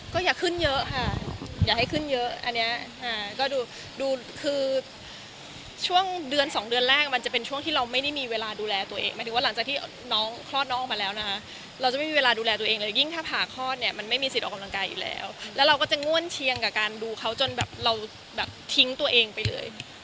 ก็อย่าขึ้นเยอะค่ะอย่าให้ขึ้นเยอะอันนี้ก็ดูดูคือช่วงเดือนสองเดือนแรกมันจะเป็นช่วงที่เราไม่ได้มีเวลาดูแลตัวเองหมายถึงว่าหลังจากที่น้องคลอดน้องออกมาแล้วนะคะเราจะไม่มีเวลาดูแลตัวเองเลยยิ่งถ้าผ่าคลอดเนี่ยมันไม่มีสิทธิ์ออกกำลังกายอยู่แล้วแล้วเราก็จะง่วนเชียงกับการดูเขาจนแบบเราแบบทิ้งตัวเองไปเลย